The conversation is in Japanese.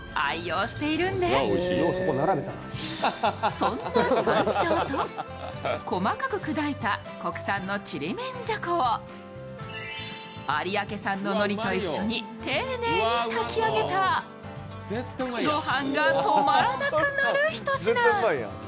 そんな山椒と細かく砕いた国産のちりめんじゃこを有明産ののりと一緒に丁寧に炊き上げたごはんが止まらなくなる一品。